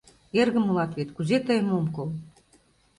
Эргым улат вет, кузе тыйым ом кол?